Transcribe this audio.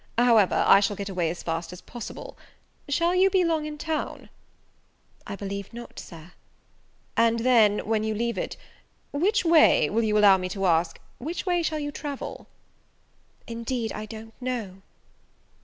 However, I shall get away as fast as possible. Shall you be long in town?" "I believe not, Sir." "And then, when you leave it which way will you allow me to ask, which way you shall travel?" "Indeed, I don't know."